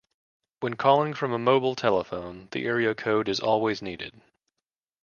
When calling from a mobile telephone, the area code is always needed.